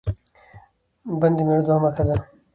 بن د مېړه دوهمه ښځه